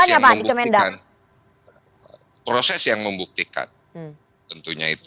ya itu proses yang membuktikan